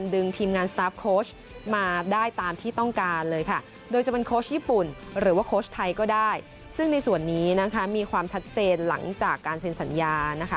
ได้ตามที่ต้องการเลยโดยจะเป็นโค้ชญี่ปุ่นหรือว่าโค้ชไทยก็ได้ซึ่งในส่วนนี้มีความชัดเจนหลังจากการเซ็นสัญญา